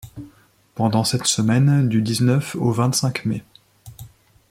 Pendant cette semaine, du dix-neuf au vingt-cinq mai